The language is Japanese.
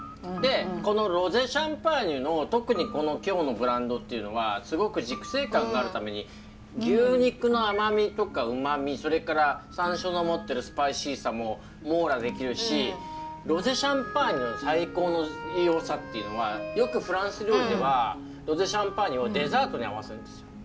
でこのロゼシャンパーニュの特にこの今日のブランドっていうのはすごく熟成感があるために牛肉の甘みとかうまみそれから山椒の持ってるスパイシーさも網羅できるしロゼシャンパーニュの最高のよさっていうのはよくフランス料理ではロゼシャンパーニュをデザートに合わせるんですよ。